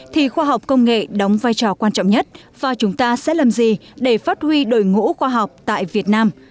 thì khoa học công nghệ đóng vai trò quan trọng nhất và chúng ta sẽ làm gì để phát huy đội ngũ khoa học tại việt nam